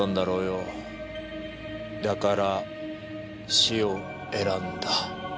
だから死を選んだ。